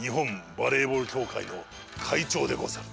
バレーボールきょうかいのかいちょうでござる。